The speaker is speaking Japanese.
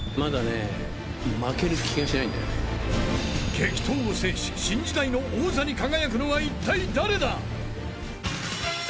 激闘を制し、新時代の王座に輝くのは一体誰か。